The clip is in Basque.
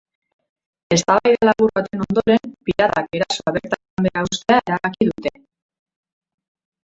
Eztabaida labur baten ondoren, piratak erasoa bertan behera uztea erabaki dute.